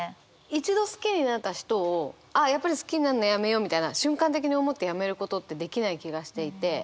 一度好きになった人をああやっぱり好きになんのやめようみたいな瞬間的に思ってやめることってできない気がしていて。